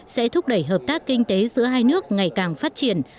sẽ thúc đẩy hợp tác kinh tế giữa hai nước ngày càng phát triển